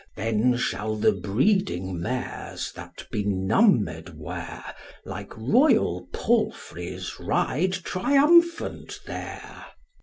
Then shall the breeding mares, that benumb'd were, Like royal palfreys ride triumphant there.